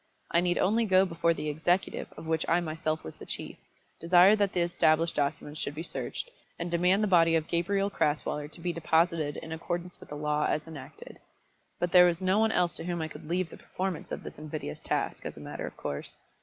I need only go before the executive of which I myself was the chief, desire that the established documents should be searched, and demand the body of Gabriel Crasweller to be deposited in accordance with the law as enacted. But there was no one else to whom I could leave the performance of this invidious task, as a matter of course.